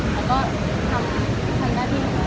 เพราะว่าทันหน้านี้ก็ง่าย